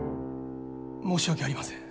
申し訳ありません。